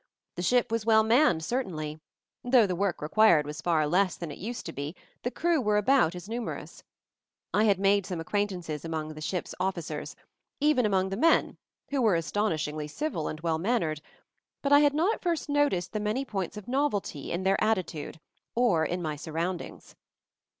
The ship was well manned, certainly ; though the work required was far less than it used to be, the crew were about as numerous. I had made some acquaintances among the ship's officers — even among the men, who were astonishingly civil and well mannered — but I had not at first noticed the many points of novelty in their attitude or in my surround ings.